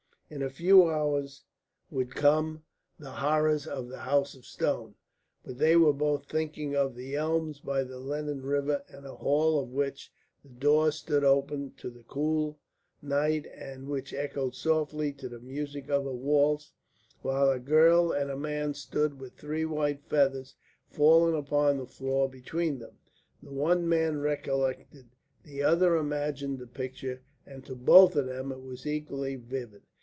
In a few hours would come the horrors of the House of Stone. But they were both thinking of the elms by the Lennon River and a hall of which the door stood open to the cool night and which echoed softly to the music of a waltz, while a girl and a man stood with three white feathers fallen upon the floor between them; the one man recollected, the other imagined, the picture, and to both of them it was equally vivid.